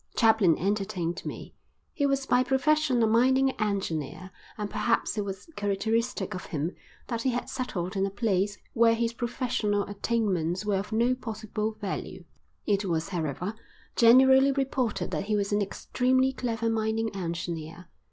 Chaplin entertained me. He was by profession a mining engineer and perhaps it was characteristic of him that he had settled in a place where his professional attainments were of no possible value. It was, however, generally reported that he was an extremely clever mining engineer.